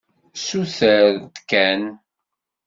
Suter-d kan.